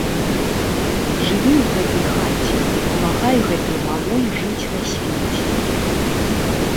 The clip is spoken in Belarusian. Жыві ў гэтай хаце і памагай гэтай малой жыць на свеце.